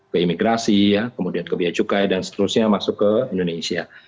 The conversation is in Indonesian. ke imigrasi ya kemudian ke biaya cukai dan seterusnya masuk ke indonesia